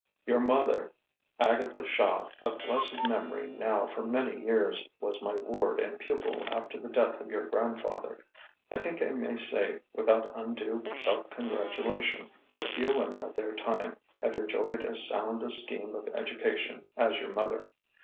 Your mother, Agatha Shaw, of blessed memory now for many years, was my ward and pupil after the death of your grandfather. I think I may say without undue self congratulation that few women of their time have enjoyed as sound a scheme of education as your mother.